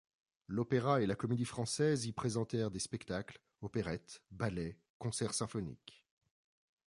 L'Opéra et la Comédie-Française y présentèrent des spectacles, opérettes, ballets, concerts symphoniques.